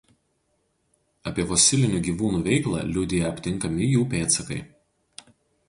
Apie fosilinių gyvūnų veiklą liudija aptinkami jų pėdsakai.